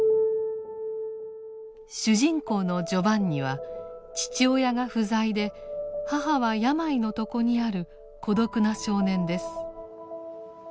主人公のジョバンニは父親が不在で母は病の床にある孤独な少年です。